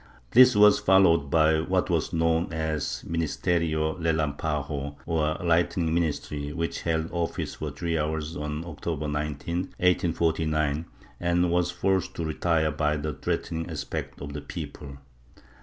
This was followed by what was known as the Ministerio Rddmpago, or Lightning Ministry, which held office for three hours on October 19, 1849, and was forced to retire by the threatening aspect of the people.